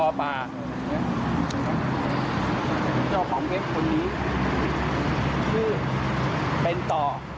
เจ้าของเพชรคนนี้ชื่อเป็นต่อ